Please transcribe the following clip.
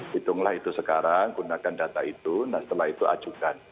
hitunglah itu sekarang gunakan data itu nah setelah itu ajukan